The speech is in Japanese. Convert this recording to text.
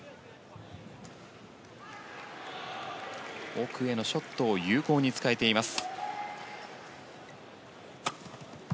奥へのショットを有効に使えています。